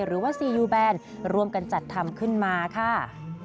หรือว่าซียูแบนรวมกันจัดทำขึ้นมาค่ะ